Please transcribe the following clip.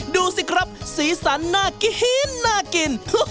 ดูสิครับสีสันน่ากินน่ากิน